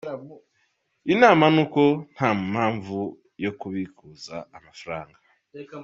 Inama ni uko nta mpamvu yo kubikuza amafaranga.